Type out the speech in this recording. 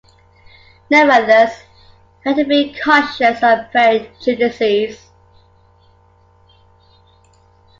Nevertheless, we have to be cautious of prejudices.